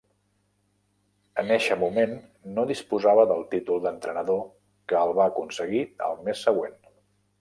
En eixe moment no disposava de títol d'entrenador, que el va aconseguir al mes següent.